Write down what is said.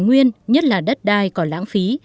nguyên nhất là đất đai còn lãng phí